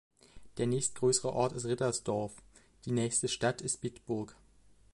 Der nächstgrößere Ort ist Rittersdorf, die nächste Stadt ist Bitburg.